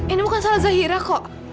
ini bukan salah zahira kok